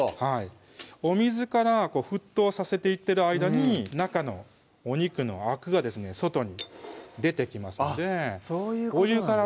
お水から沸騰させていってる間に中のお肉のアクがですね外に出てきますのであっそういうことなんですね